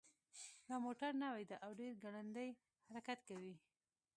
دا موټر نوی ده او ډېر ګړندی حرکت کوي